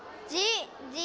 「じ」！